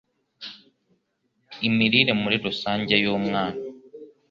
imirire muri rusange y'umwana.